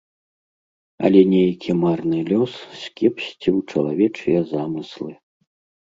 Але нейкі марны лёс скепсціў чалавечыя замыслы.